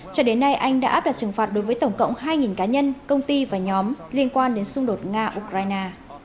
cho đến nay anh đã áp đặt trừng phạt đối với tổng cộng hai cá nhân công ty và nhóm liên quan đến xung đột nga ukraine